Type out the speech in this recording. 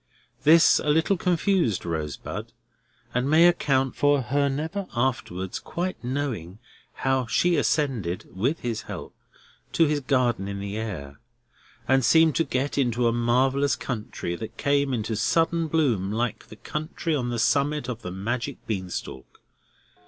This a little confused Rosebud, and may account for her never afterwards quite knowing how she ascended (with his help) to his garden in the air, and seemed to get into a marvellous country that came into sudden bloom like the country on the summit of the magic bean stalk.